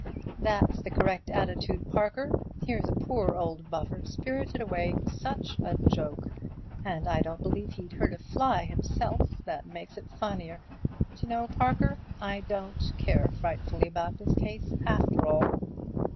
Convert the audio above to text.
That's the correct attitude, Parker. Here's a poor old buffer spirited away—such a joke—and I don't believe he'd hurt a fly himself—that makes it funnier. D'you know, Parker, I don't care frightfully about this case after all."